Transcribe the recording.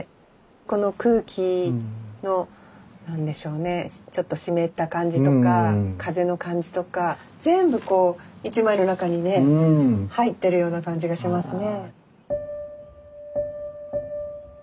この空気の何でしょうねちょっと湿った感じとか風の感じとか全部こう１枚の中にね入ってるような感じがしますね。